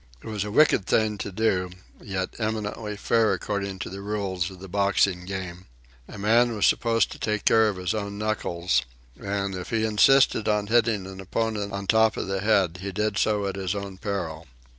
It was a wicked thing to do, yet eminently fair according to the rules of the boxing game. A man was supposed to take care of his own knuckles, and, if he insisted on hitting an opponent on the top of the head, he did so at his own peril.